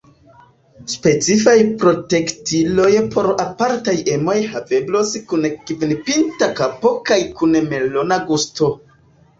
Specifaj protektiloj por apartaj emoj haveblos kun kvinpinta kapo kaj kun melona gusto.